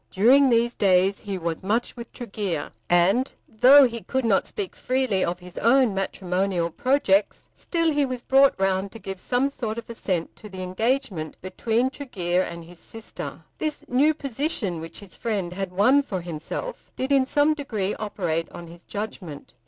During these days he was much with Tregear; and though he could not speak freely of his own matrimonial projects, still he was brought round to give some sort of assent to the engagement between Tregear and his sister. This new position which his friend had won for himself did in some degree operate on his judgment.